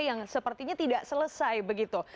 yang sepertinya tidak selesai begitu